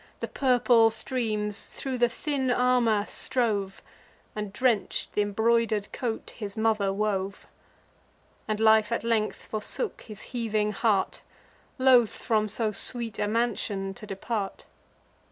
The purple streams thro' the thin armour strove, And drench'd th' imbroider'd coat his mother wove; And life at length forsook his heaving heart, Loth from so sweet a mansion to depart.